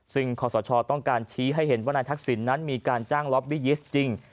ซึ่งขอสชต้องการชี้ให้เห็นว่านายทักษิณนั้นมีการจ้างล็อบบียิสต์จริง